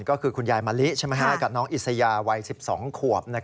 ก็คือคุณยายมะลิกับน้องอิสยาวัย๑๒ขวบ